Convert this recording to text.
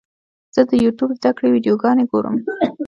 زه د یوټیوب زده کړې ویډیوګانې ګورم.